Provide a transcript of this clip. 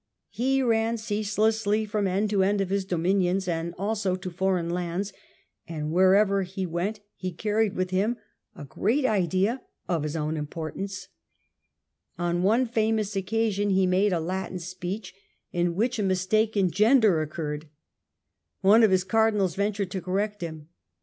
He ran ceaselessly from end to end of his dominions and also to foreign lands, and wherever he went he carried with him a great idea of his own importance. On one famous occasion he made a Latin speech in which a mis SCHISMS IN THE PAPACY AND EMPIRE 127 take in gender occurred. One of his Cardinals ventured to correct him.